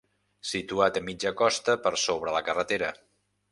Situat a mitja costa, per sobre la carretera.